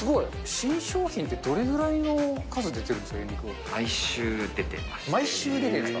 新商品ってどれぐらいの数出てる毎週出てます。